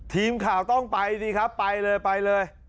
ทีมข่าวต้องไปสิครับไปเลยไปเลย